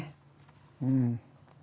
うん。